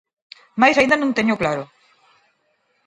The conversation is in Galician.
Mais aínda non teño claro.